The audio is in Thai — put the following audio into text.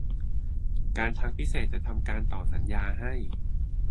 การทางพิเศษจะทำการต่อสัญญาให้